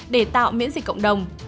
để tạo miễn dịch cộng đồng